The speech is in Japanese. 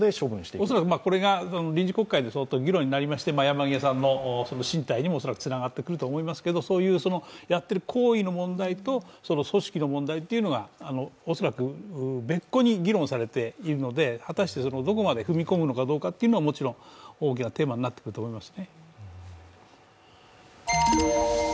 これが臨時国会で相当議論になりまして、山際さんの進退にも関係ありますけどそういうやっている行為の問題と組織の問題が恐らく別個に議論されているので果たしてどこまで踏み込むのかどうかというのは大きなテーマになってくると思います。